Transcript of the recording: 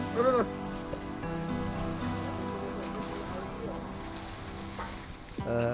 tuh tuh tuh